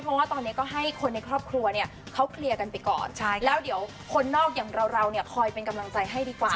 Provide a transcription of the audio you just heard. เพราะว่าตอนนี้ก็ให้คนในครอบครัวเนี่ยเขาเคลียร์กันไปก่อนแล้วเดี๋ยวคนนอกอย่างเราเราเนี่ยคอยเป็นกำลังใจให้ดีกว่า